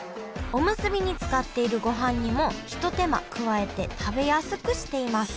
おむすびに使っているご飯にもひと手間加えて食べやすくしています。